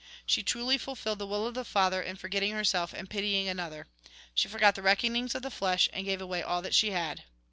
She truly fulfilled the will of the Father, in forgetting herself and pitying another. She forgot the reckonings of the flesh and gave away all that she had."